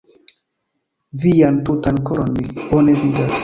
Vian tutan koron mi bone vidas.